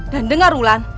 dan dengar hulan